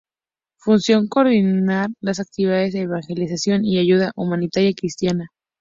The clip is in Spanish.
Función: coordinar las actividades de evangelización y ayuda humanitaria cristiana.